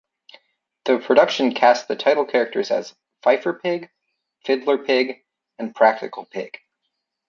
The production cast the title characters as "Fifer Pig", "Fiddler Pig", and "Practical Pig".